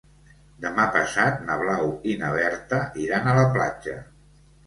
Demà passat na Blau i na Berta iran a la platja.